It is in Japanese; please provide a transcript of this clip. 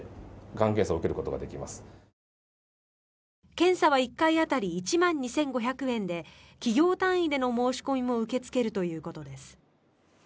検査は１回当たり１万２５００円で企業単位での申し込みも受け付けるということです。